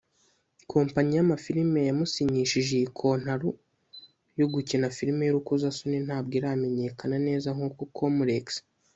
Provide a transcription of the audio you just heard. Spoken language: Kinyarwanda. kompanyi y’amafilimi yamusinyishije iyi kontaru yo gukina filimi y’urukozasoni ntabwo iramenyekana neza nkuko comlex